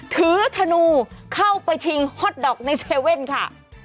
ถือธนูเข้าไปชิงฮอตดอกในเซเว่นค่ะ